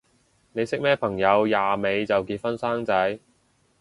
你識咩朋友廿尾就結婚生仔？